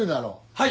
はい！